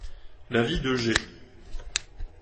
La vie de G.